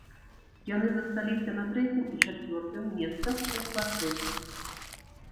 Яны засталіся на трэцім і чацвёртым месцах у квартэце.